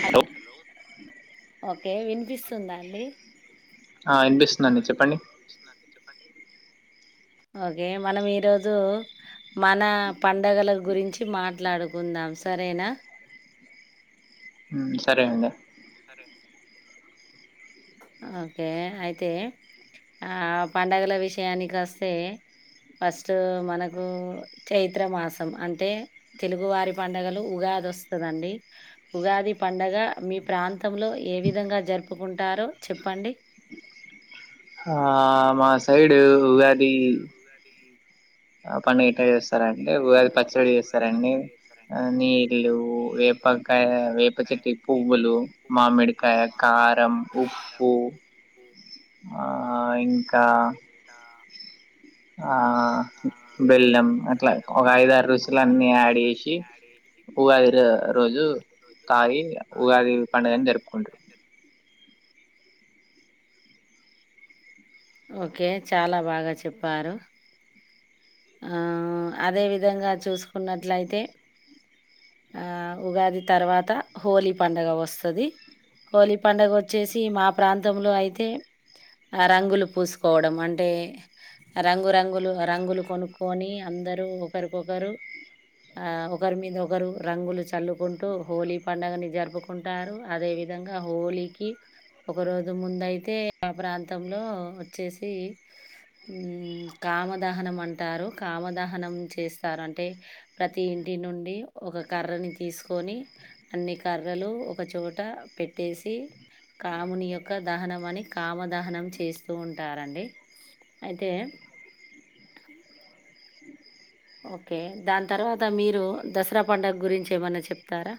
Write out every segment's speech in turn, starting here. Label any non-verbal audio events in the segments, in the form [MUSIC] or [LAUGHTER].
Hello okay వినిపిస్తుందా అండి ఆ విన్పిస్ చెప్పండి ఓకే మనం ఈరోజు మన పండగల గురించి మాట్లాడుకుందాం సరేనా ఉమ్ సరే అండి సరే ఓకే అయితే ఆ పండగల విషయానికస్తే ఫస్ట్ మనకు చైత్ర మాసం అంటే తెలుగు వారి పడుగలు ఉగాదోస్తదండి ఉగాది పండగ మీ ప్రాంతంలో ఏ విధంగా జరుపుకుంటారో చెప్పండి ఆ మా సైడ్ మా సైడ్ ఉగాది ఆ పండుగ ఎట్ల చేస్తారంటే ఉగాది పచ్చడి చేస్తరండి నీళ్ళు వే పకాయ వేప చెట్టి పువ్వులు మామిడికాయ కారం ఉప్పు ఉమ్ ఆ ఇంకా ఆ బెల్లం అట్ల ఒక ఐదారుసులు అన్నీ యాడ్ చేసి ఉగాది రోజు తాగి ఉగాది పండుగ జరుపుకుంటరు ఓకే చాలా బాగా చెప్పారు ఆ అదే విధంగా చూసుకున్నట్లయితే ఆ ఉగాది తర్వాత హోలీ పడుగ వస్తది హోలీ పడుగోచ్చేసి మా ప్రాంతంలో అయితే ఆ రంగులు పూసుకోవడం అంటే రంగు రంగులు రంగులు కొనుక్యూని అందరు ఒకరికొకరు ఆ ఒకరి మీద ఒకరు రంగులు చల్లుకుంటూ హోలీ పండుగని జరుపుకు కుంటారు అదే విధంగా హోలీకి ఒక రోజు ముందయితే ఆ ప్రాంతంలో ఒచ్చేసి ఉమ్ కామదహనం అంటారు కామదహనం చేస్తారు అంటే ప్రతి ఇంటి నుండి ఒక కర్రని తీసుకొని అన్ని కర్రలు ఒకచోట పెట్టేసి కాముని యొక్క దహనం అని కామ దహనం చేస్తూ ఉంటారండి అతే ఓకే దాని తర్వాత మీరు దసరా పడుగ గురించి ఏమన్న చెప్తారా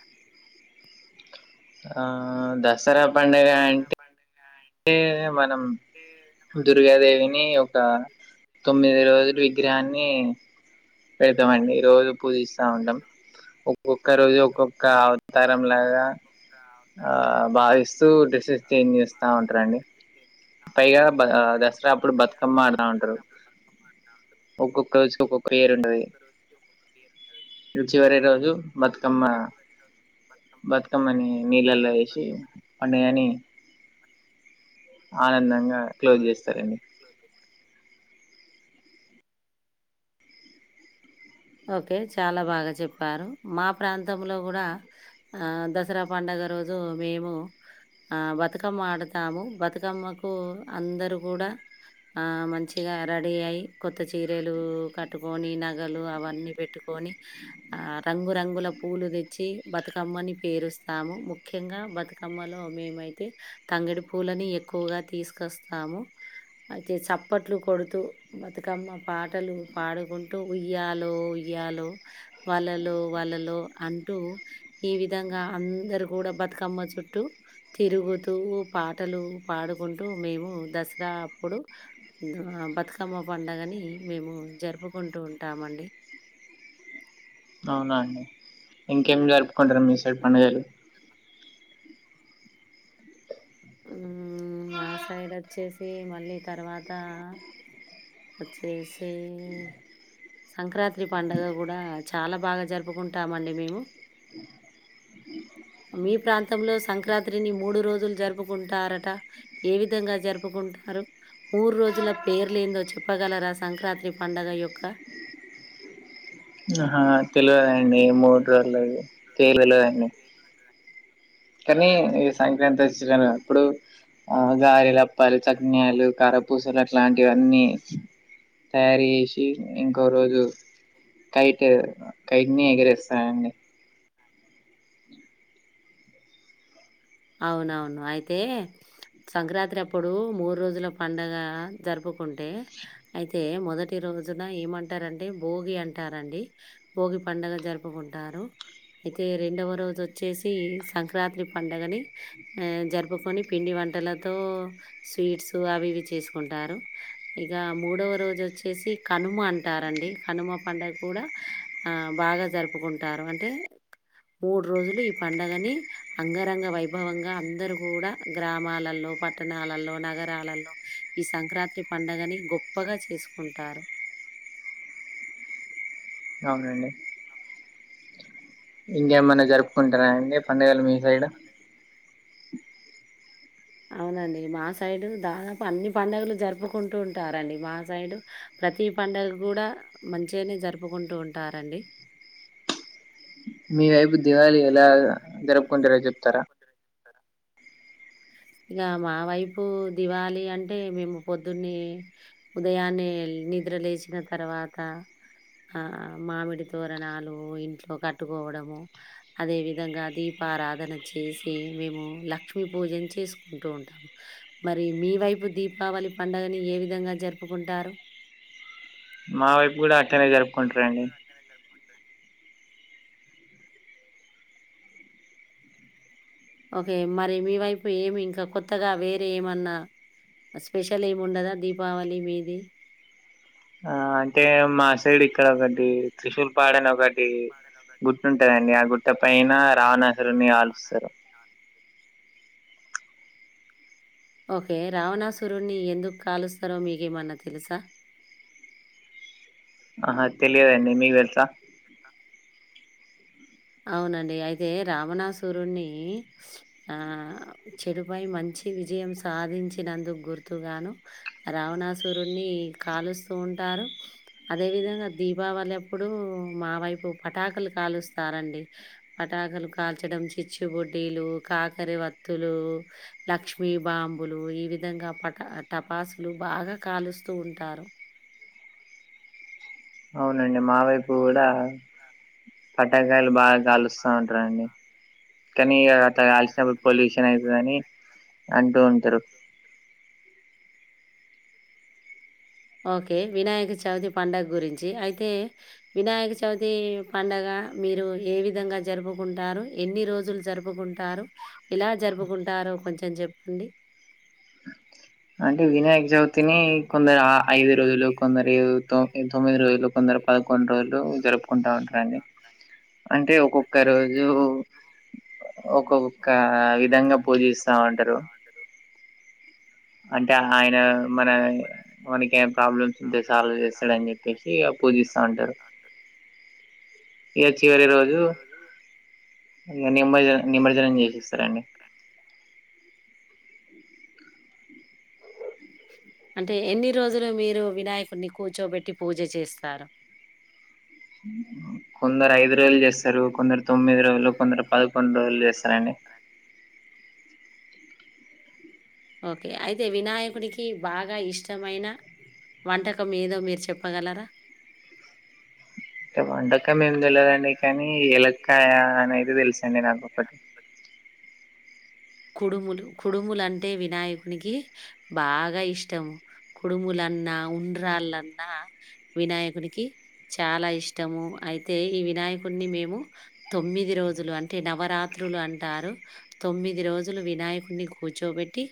ఆ దసరా పండుగ అంటే పండుగా టే మనం దుర్గదేవిని ఒక తొమ్మిది రోజులు విగ్రహాన్ని పెడతామండి రోజు పూజిస్ స్తా ఉంటాం ఒక్కొక్క రోజు ఒక్కొక్క అవతారం లాగా ఆ భావిస్తూ డ్రెస్సెస్ చేంజ్ జేస్తా ఉంటారండి అ పైగా బ ఉంటారుండి దసరా అప్పుడు పైగా బతుకమ్మ ఆడుతా ఉంటారు దసరాపుడు బతుకమ్మ అంట ఉంటారు ఒక్కొక్క రోజుకి ఒక్కొక్క పేరు ఉంటది ఒక్కొక్క రోజుకి ఒక్కొక్క పేరు ఉంటది చివరి రోజు బతుకమ్మ బతు కమ్మని నీళ్ళల్లో ఎసి పండగానీ ఆనందంగా క్లోజ్ చేస్తారండి ఓకే చాలా బాగా చెప్పారు మా ప్రాంతంలో కూడా ఆ దసరా పండుగ రోజు మేము ఆ బతుకమ్మ ఆడతాము బతుకమ్మకు అందరూ కూడా ఆ మంచిగా రెడీ అయ్యి కొత్త చీరలు కట్టుకొని నగలు అవ న్ని బేట్టుకొని ఆ రంగురంగుల పూలు తెచ్చి బతుకమ్మని పేరుస్తాము ముఖ్యంగా బతుకమ్మలో మేమైతే తంగడు పూలని ఎక్కువగా తీసుకస్తాము అయితే సప్పట్లు కొడుతూ బతుకమ్మ పాటలు పాడుకుంటూ ఉయ్యాల్ లో ఉయ్యాలో వాళ్ళలో వాళ్ళలో అంటూ ఈ విధంగా అందరూ కూడా బతుకమ్మ చుట్టూ తిరుగుతూ పాటలు పాడుకుంటూ మేము దసరా అప్పుడు బతుకమ్మ పండగని మేము జరుపుకుంటూ ఉంటామండి అవునా అండి ఇంకేం జరుపుకుంటారా మీ సైడ్ పండుగలు ఉమ్ మా సైడ్ ఆచ్చేసి మళ్ళీ తర్వాత వచ్చేసి సంక్రాంతి పండుగ గూడా చాలా బాగా జరుపుకుంటామండి మేము [INAUDIBLE] మీ ప్రాంతంలో సంక్రాంతిని మూడు రోజులు జరుపుకుంటారట ఏ విధంగా జరుపుకుంటారు మూడు రోజుల పేర్లేందో చెప్ ప్పగలరా సంక్రాంతి పండుగ యొక్క నాకు తెలివదండి మూడు రోజులు పేరు తెలివదండి కానీ ఈ సంక్రాంతి వచ్చినలు అప్పుడు ఆ గారెలప్పాలు చట్న్లు కరపూసలు అట్లాంటివన్నీ తయారు చేసి ఇంకో రోజు కైట్ కైట్ని ఎగిరేస్తానండి అవునవును అయితే సంక్రాంతి అప్పుడు మూడు రోజుల పండగ జరుపుకుంటే అయితే మొదటి రోజున ఏమంటారంటే భోగి అంటారండి భోగి పండగ జరుపుకుంటారు అయితే రెండవ రోజు వచ్చేసి సంక్రాంతి పండుగని ఆ జరుపుకొని పిండి వంటలతో స్వీట్స్ అవి ఇవి చేసుకుంటారు ఇక మూడవ రోజు వచ్చేసి కనుమ అంటారండి కనుమ పండగ కూడా ఆ బాగా జరుపుకుంటారు అంటే మూడు రోజులు ఈ పండుగని అంగరంగ వైబ్ భవంగా అందరుూ కూడా గ్రామాలలో పట్టణాలలో నగరాలలో ఈ సంక్రాంతి పండుగని గొప్పగా చేసుకుంటారు అవునండి ఇంకేమన్నా జరుపుకుంటారా అండి పండుగలు మీ సైడు అవునండి మా సైడు దాదాపు అన్ని పండుగలు జరుపుకుంటూ ఉంటారండి మా సైడు ప్రతి పండుగ కూడా మంచిగానే జరుపుకుంటూ ఉంటారండి మీ వైపు దివాళి ఎలా జరుపుకుంటారో చెప్తారా ఇగ మా వైపు దివాళి అంటే మేము పొద్దున్నే ఉదయాన్నే నిద్ర లేచిన తర్వాత ఆ మామిడి తోరణాలు ఇంట్లో కట్టుకోవడము అదే విధంగా దీపారాధన చేసి మేము లక్ష్మీ పూజని చేసుకుంటూ ఉంటాము మరి మీ వైపు దీపావళి పండుగని ఏ విధంగా జరుపుకుంటారు మా వైపు కూడా అట్లానే జరుపు మా వైపు కూడా అట్నె జరుపుకుంటారు ఓకే మరి మీ వైపు ఏమి ఇంకా కొత్తగా వేరే ఏమన్నా స్పెషల్ ఏముండదా దీపావళి మీది ఆ అంటే మాసైడ్ ఇక్కడ ఒకటి త్రిశూలపాడని ఒకటి గుట్ట ఉంటాదండి ఆ గుట్ట పైన రావణసురున్ని కాలుస్తారు ఓకే రావణాసురున్ని ఎందుకు కాలుస్తారో మీకేమన్నా తెలుసా ఆహా తెలియదండి మీకు తెలుసా అవునండి అయితే రామణాసురున్ని ఆ చెడుపై మంచి విజయం సాధించినందుకు గుర్తుగాను రామణాసురున్ని కాలుస్తూ ఉంటారు అదే విధంగా దీపావళి అప్పుడు మా వైపు పటాకులు కాలుస్తారండి పటాకలు కాల్చడం చిచ్చుబుడ్డిలు కాకర వత్తులు లక్ష్మీ బాంబులు ఈ విధంగా పట టపాసులు బాగా కాలుస్తూ ఉంటారు అవునండి మా వైపు కూడా పటాకాయలు బాగా కాలుస్తా ఉంటారండి కానీ అట్లా కాల్సినప్పుడు పొల్యూషన్ అయితాదని అంటూ ఉంటారు ఓకే వినాయక చవితి పండగ గురించి అయితే వినాయక చవితి పండగ మీరు ఏ విధంగా జరుపుకుంటారు ఎన్ని రోజులు జరుపుకుంటు కుంటారు ఇలా జరుపుకుంటారు కొంచెం చెప్పండి అంటే వినాయక చవి తిని కొందరు ఐదు రోజులు కొందరు తొ తొమ్మిది రోజులు కొందరు పదకొండు రోజులు జరుపు జరుపుకుంటా ఉంటారు అంటే ఒక్కొక్క రోజు ఒక్కొక్క విధంగా పూజిస్తా ఉంటారు అంటే ఆయన మన మనకి ఏ ప్రాబ్లమ్స్ ఉంటే సాల్వ్ చేస్తాడని చెప్పేసి ఇగ పూజిస్తా ఉంటారు ఇగ చివరి రోజు ఇంగా నిమజ్జన నిమజ్జనం చేసేస్తారండి అంటే ఎన్ని రోజులు మీరు వినాయకుడిని కూర్చోబెట్టి పూజ చేస్తారు కొందరు ఐదు రోజులు చేస్తారు కొందరు తొమ్మిది రోజులు కొందరు పదకొండు రోజులు చేస్తారండి ఓకే అయితే వినాయకుడికి బాగా ఇష్టమైన వంటకం ఏదో మీరు చెప్పగలరా వంటకం ఏం తెలియదండి కానీ ఎలక్కయ అనే అయితే తెలుసండి నాకొక్కటి కుడుములు కుడుములు అంటే వినాయకునికి బాగా ఇష్టము కుడుములన్నా ఉండ్రాళ్ళన్నా వినాయకునికి చాలా ఇష్టము అయితే ఈ వినాయకుడ్ని మేము తొమ్మిది రోజులు అంటే నవరాత్రులు అంటారు తొమ్మిది రోజు జులు వినాయకుడ్ని కూర్చోబెట్టి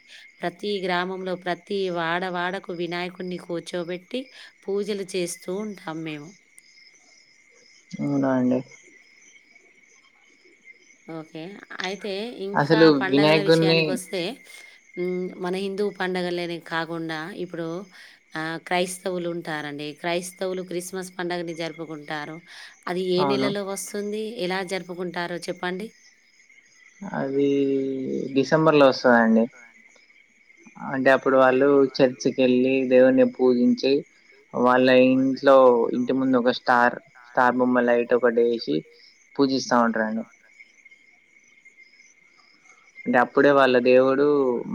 ప్రతి గ్రామంలో ప్రతి వాడవాడకు వినాయకుడిని కూర్చోబెట్టి పూజలు చేస్తూ ఉంటాం మేము అవునా అండి ఓకే అయితే ఇంకా అసలు పండగల వినాయకుడిని విషయానికి వస్తే మన హిందూ పండుగలనె కాకుండా ఇప్పుడు ఆ క్రైస్తవులు ఉంటారండి క్రైస్తవులు క్రిస్మస్ పండుగని జరుపుకుంటారు అది ఏ అవును నెలలో వస్తుంది ఎలా జరుపుకుంటారో చెప్పండి అదీ డిసెంబర్ లో వస్తదండి. అంటే అప్పుడు వాళ్ళు చర్చికెళ్లి దేవుని పూజించి వాళ్ళ ఇంట్లో ఇంటి ముందు ఒక స్టార్ స్టార్ బొమ్మలైట్ ఒకటి వేసి పూజిస్తా ఉంటారని అంటే అప్పుడే వాళ్ళ దేవుడు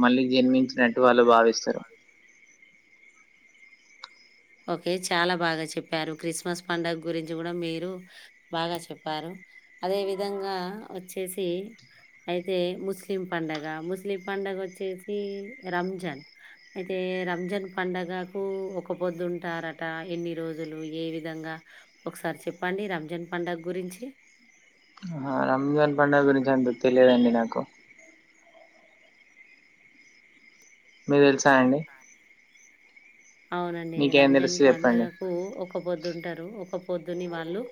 మళ్ళీ జన్మించినట్టు వాళ్ళు భావిస్తారు ఓకే చాలా బాగా చెప్పారు క్రిస్మస్ పండగ గురించి కూడా మీరు బాగా చెప్పారు అదే విధంగా వచ్చేసి అయితే ముస్లిం పండగ ముస్లిం పండగ వచ్చేసి రంజాన్ అయితే రంజాన్ పండగకు ఒక పొద్దుంటారట ఎన్ని రోజులు ఏ విధంగా ఒకసారి చెప్పండి రంజాన్ పండగ గురించి ఆ రంజాన్ పండగ గురించి అంత తెలియదండి నాకు మీకు తెలుసా అండి అవునండి మీకేం రంజన్ తెలుసు చెప్పండి? పండుగకు ఓక్కపొద్దుంటారు ఓక్కపొద్దుని వాళ్ళు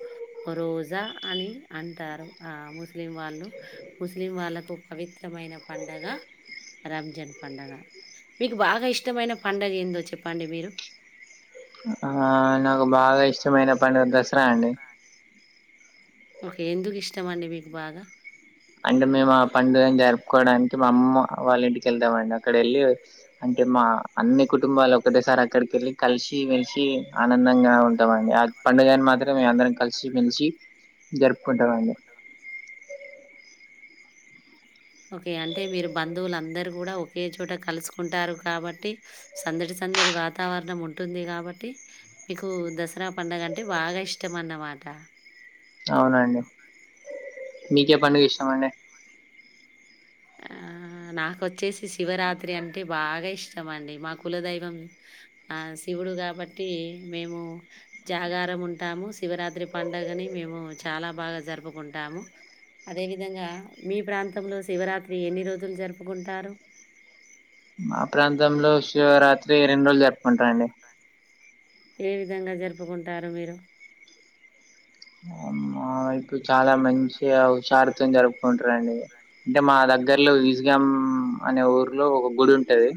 రోజా అని అంటారు ఆ ముస్లిం వాళ్ళు ముస్లిం వాళ్లకు పవిత్రమైన పండగ రంజన్ పండగ మీకు బాగా ఇష్టమైన పడుగ ఏందో చెప్పండి మీరు ఆ అ నాకు బాగా ఇ బాగా ఇష్టమైన పండగ దసరా అండి ఓకే ఎందుకు ఇష్టం అండి మీకు బాగా అంటే మేము ఆ పండుగను జరుపుకోవడానికి మా అమ్మమ్మ వాళ్ళింటికి వవెళ్తామండి అక్కడ ఎళ్ళి అంటే మా అన్ని కుటుంబాలు ఒకటేసారి అక్కడికెళ్ళి కలిసి వెలిసి ఆనందంగా ఉంటామండి అ పండుగని మాత్రం మేము అందరం కలిసి మెలిసి జరుపుకుంటామండి ఓకే అంటే మీరు బంధువులందరుూ కూడా ఒకే చోట కలుసుకుంటారు కాబట్టి సందడి సందడి వాతావరణం ఉంటుంది కాబట్టి మీకు దసరా పండగంటే బాగా ఇష్టం అన్నమాట అవునండి మీకే పండుగ ఇష్టమండి నాకు వచ్చేసి శివరాత్రి అంటే బాగా ఇష్టం అండి మా కులదైవం ఆ శివుడు కాబట్టి మేము జాగారం ఉంటాము శివరాత్రి పండగని మేము చాలా బాగా జరుపుకుంటాము అదే విధంగా మీ ప్రాంతంలో శివరాత్రి ఎన్ని రోజులు జరుపుకుంటారు మా ప్రాంతంలో శివరాత్రి రెండు రోజులు జరుపుకుంటారండి ఏ విధంగా జరుపుకుంటారు మీరు మా వైపు చాలా మంచిగ హుషారుతోని జరుపుకుంటరండి అంటే మా దగ్గర్లో ఈజ్గామ్ అనే ఊర్లో ఒక గుడి ఉంటది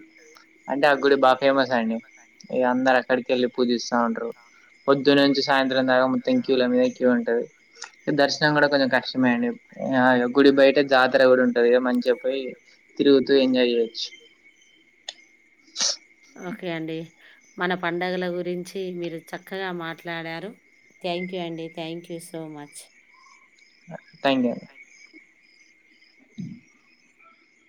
అంటే ఆ గుడి బాగా ఫేమస్ అండి ఇగ అందరు అక్కడికెళ్ళి పూజిస్తా ఉంటరు పొద్దున్ నుంచి సాయంత్రం దాకా మొత్తం క్యూల మీద క్యూ ఉంటది దర్శనం గూడ కొంచెం కష్టమే అండి ఆ ఇగ గుడి బయట జాతర గూడ ఉంట్ టదిగా మంచిగ పోయి తిరుగుతూ ఎంజాయ్ చేయొచ్చు ఓకే అండి మన పండగల గురించి మీరు చక్కగా మాట్లాడారు థ్యాంక్ యూ అండి, thank you so much thank you అండి